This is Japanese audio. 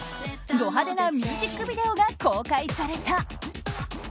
ド派手なミュージックビデオが公開された。